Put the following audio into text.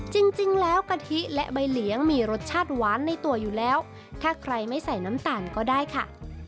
จริงแล้วกะทิและใบเลี้ยงมีรสชาติหวานในตัวอยู่แล้วถ้าใครไม่ใส่น้ำตาลก็ได้ค่ะ